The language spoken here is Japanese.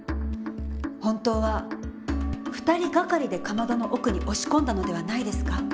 本当は２人がかりでかまどの奥に押し込んだのではないですか？